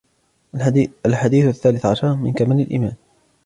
الحديث الثالث عشر: من كمال الإيمان